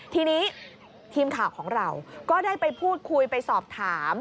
ทีนี้ทีมข่าวของเราก็ได้ไปพูดคุยไปสอบถาม